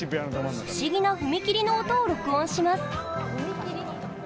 不思議な踏切の音を録音します。